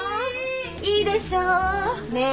いいでしょう？ねえ。